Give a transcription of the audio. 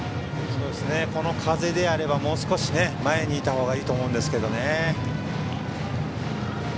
この風であればもう少し前にいた方がいいと思うんですけどね。